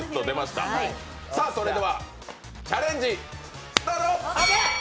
それではチャレンジスタート！